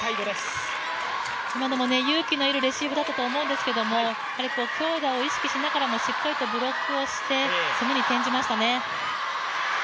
今のも勇気の要るレシーブだったと思うんですけど強打を意識しながらもしっかりとブロックをして攻めに転じましたね。